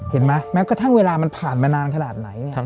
เห็นไหมแม้กระทั่งเวลามันผ่านมานานขนาดไหน